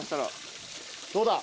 どうだ？